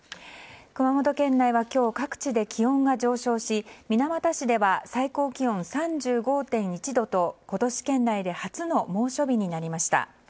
熊本県内は今日各地で気温が上昇し水俣市では最高気温３５．１度と今年県内で初の猛暑日になりました。